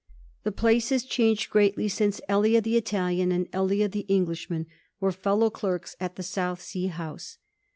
The place has changed greatly since Elia. the Italian and Elia the English man were fellow clerks at the South Sea House.